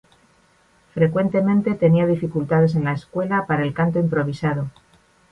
Frecuentemente tenía dificultades en la escuela para el canto improvisado.